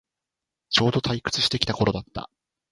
ちょうど退屈してきた頃だった